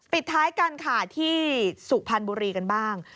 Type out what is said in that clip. ปิดท้ายกันค่ะที่สุพรรณบุรีกันบ้าง